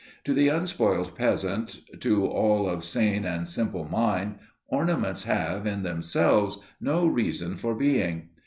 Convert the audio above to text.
To the unspoiled peasant, to all of sane and simple mind, ornaments have, in themselves, no reason for being.